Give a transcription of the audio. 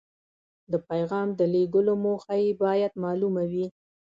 د پیغام د لیږلو موخه یې باید مالومه وي.